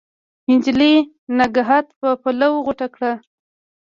نجلۍ نګهت په پلو غوټه کړ